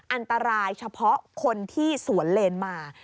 อันตรายเฉพาะคนที่สวนเลนมา